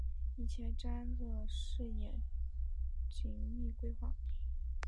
以前瞻的视野缜密规划